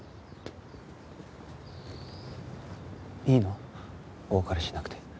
いいの？お別れしなくて。